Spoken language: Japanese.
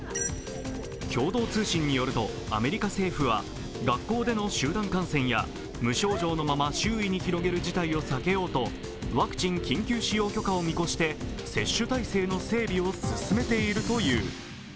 共同通信によると、アメリカ政府は学校での集団感染や無症状のまま周囲に広げる事態を避けようとワクチン緊急使用許可を見越して接種体制の整備を進めているという。